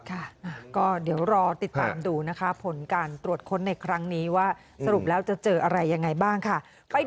ค่ะก็เดี๋ยวรอติดตามดูนะคะผลการตรวจค้นในครั้งนี้ว่าสรุปแล้วจะเจออะไรยังไงบ้างค่ะ